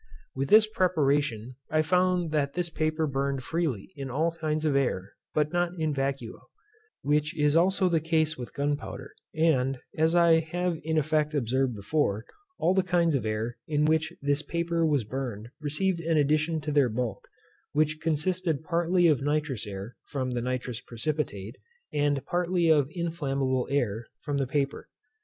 With this preparation, I found that this paper burned freely in all kinds of air, but not in vacuo, which is also the case with gunpowder; and, as I have in effect observed before, all the kinds of air in which this paper was burned received an addition to their bulk, which consisted partly of nitrous air, from the nitrous precipitate, and partly of inflammable air, from the paper.